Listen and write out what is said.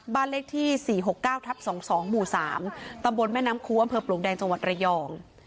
บ้านเลขที่๔๖๙ทับ๒๒หมู่๓ตำบลแม่น้ำคูอำเภอปลวกแดงจังหวัดระยอง